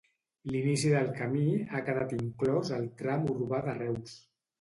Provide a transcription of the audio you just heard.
L'inici del camí ha quedat inclòs al tram urbà de Reus.